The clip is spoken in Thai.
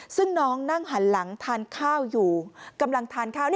ซึ่งน้องนั่งหันหลังทานข้าวอยู่กำลังทานข้าว